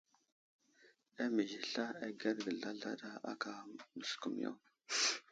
Amiz i sla agərge zlazlaɗa áka məskumiyo.